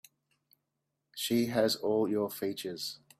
She has all your features.